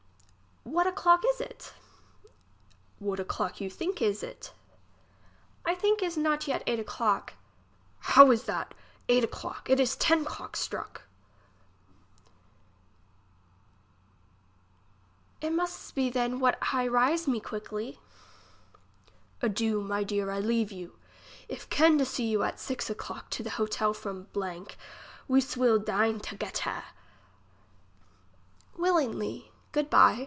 What o'clock is it ? What o'clock you think is it ? I think is not yet eight o'clock. How is that, eight 'clock ! it is ten 'clock stnick. English as slie is spoke. 25 It must then what I rise me quickly. Adieu, my deer, I leave you. If can to see you at six clock to the hotel from , we swill dine togetter. Willingly. Good by.